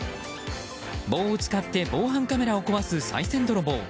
棒を使って防犯カメラを壊すさい銭泥棒。